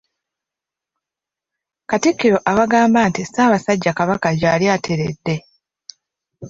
Katikkiro abagamba nti Ssaabasajja Kabaka gyali ateredde.